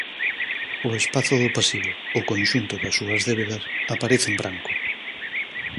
O espazo do pasivo, o conxunto das súas débedas, aparece en branco.